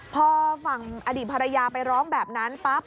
พอฝั่งอดีตภรรยาไปร้องแบบนั้นปั๊บ